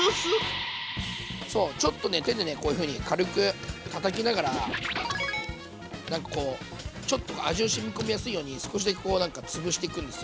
そうちょっとね手でねこういうふうに軽くたたきながらなんかこうちょっと味をしみ込みやすいように少しだけこうなんかつぶしていくんですよ。